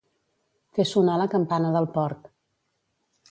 Fer sonar la campana del porc.